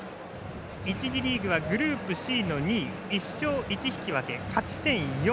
１次リーグはグループＣの２位１勝１引き分け、勝ち点４。